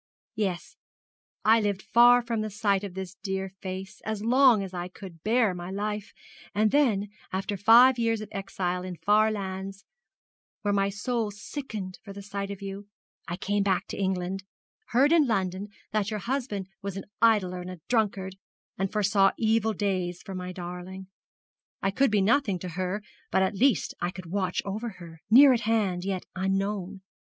'Yes. I lived far from the sight of this dear face, as long as I could bear my life, and then after five years of exile in far lands, where my soul sickened for the sight of you, I came back to England, heard in London that your husband was an idler and a drunkard, and foresaw evil days for my darling. I could be nothing to her; but at least I could watch over her, near at hand, yet unknown.